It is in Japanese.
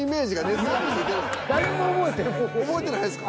覚えてないですか？